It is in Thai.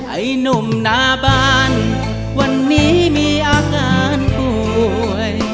ไอ้หนุ่มหน้าบ้านวันนี้มีอาการป่วย